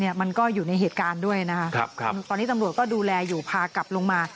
มันก็อยู่ในเหตุการณ์ด้วยนะคะครับตอนนี้ตำรวจก็ดูแลอยู่พากลับลงมา